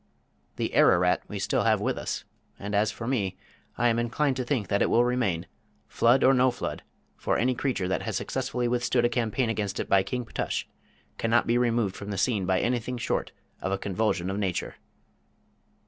The Ararat we still have with us, and as for me, I am inclined to think that it will remain, flood or no flood, for any creature that has successfully withstood a campaign against it by King Ptush cannot be removed from the scene by anything short of a convulsion of Nature.